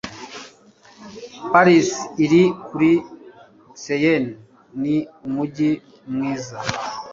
paris, iri kuri seine, ni umujyi mwiza